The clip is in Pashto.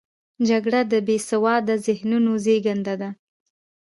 جګړه د بې سواده ذهنونو زیږنده ده